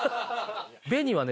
紅はね